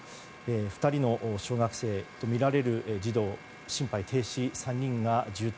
２人の、小学生とみられる児童が心肺停止３人が重体。